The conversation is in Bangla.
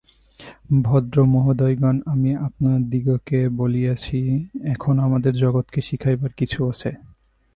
ভদ্রমহোদয়গণ, আমি আপনাদিগকে বলিয়াছি, এখনও আমাদের জগৎকে শিখাইবার কিছু আছে।